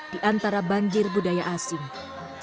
di antara banjir budaya asli dan keadaan yang berbeda